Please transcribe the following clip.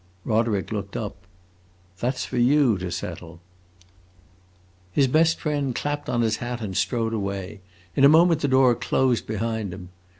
Roderick looked up. "That 's for you to settle!" His best friend clapped on his hat and strode away; in a moment the door closed behind him.